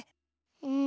うん。